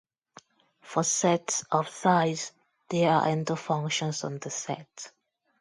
For sets of size there are endofunctions on the set.